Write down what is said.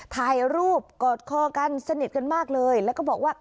ถ่ายรูปกอดคอกันสนิทกันมากเลยแล้วก็บอกว่า